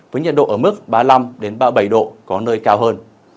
với nhiệt độ ở mức ba mươi năm ba mươi bảy độ có nơi cao hơn